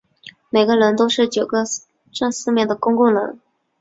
每个棱都是九个正四面体的公共棱。